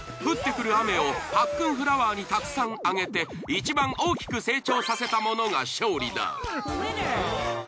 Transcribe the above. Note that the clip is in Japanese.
降ってくる雨をパックンフラワーにたくさんあげて一番大きく成長させた者が勝利だ。